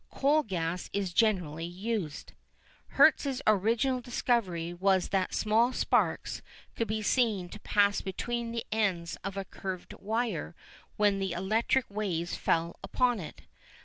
Coal gas is generally used. Hertz' original discovery was that small sparks could be seen to pass between the ends of a curved wire when the electric waves fell upon it.